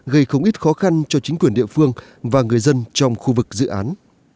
gây không ít khó khăn cho chính quyền địa phương và người dân trong khu vực dự án